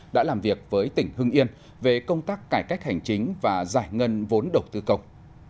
đã làm việc với tỉnh hưng yên về công tác cải cách hành chính và giải ngân vốn đầu tư công